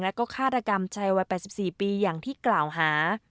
แล้วก็ฆาตกรรมชายวัย๘๔ปีอย่างที่กล่าวหา